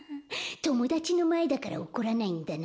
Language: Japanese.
ともだちのまえだから怒らないんだな。